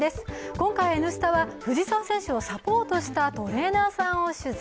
今回「Ｎスタ」は藤澤選手をサポートしたトレーナーさんを取材。